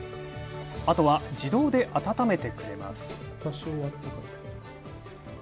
あとは自動で温めてくれます。